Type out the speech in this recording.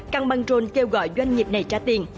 căng băng trôn kêu gọi doanh nghiệp này trả tiền